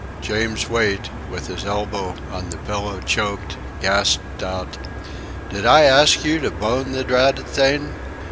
James Wait, with his elbow on the pillow, choked, gasped out: "Did I ask you to bone the dratted thing?